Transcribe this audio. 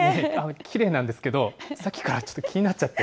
きれいなんですけど、さっきからちょっと気になっちゃって。